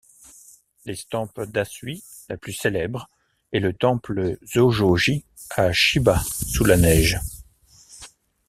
L’estampe d’Hasui la plus célèbre est le temple Zojo-ji à Shiba sous la neige.